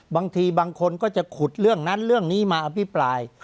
บางทีบางคนก็จะขุดเรื่องนั้นเรื่องนี้มาอภิปราย